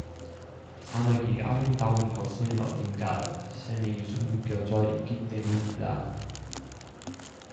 사막이 아름다운 것은 어딘가 샘이 숨겨져 있기 때문이다.